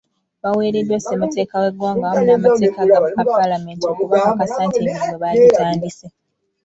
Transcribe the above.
Baweereddwa Ssemateeka w’eggwanga awamu n’amateeka agafuga Paalamenti okubakakasa nti emirimu bagitandise.